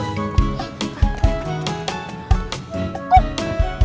uh uh uh uh